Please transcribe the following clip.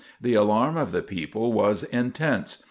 The alarm of the people was intense.